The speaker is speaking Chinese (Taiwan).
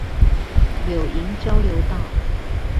柳營交流道